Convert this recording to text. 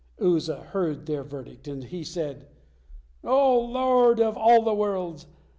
Uzza heard their verdict, and he said: "O Lord of all the worlds!